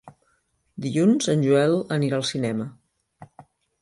Dilluns en Joel anirà al cinema.